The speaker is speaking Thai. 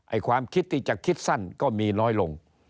ความคิดที่จะคิดสั้นก็มีน้อยลง